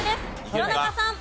弘中さん。